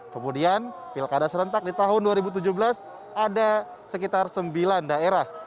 kemudian pilkada serentak di tahun dua ribu tujuh belas ada sekitar sembilan daerah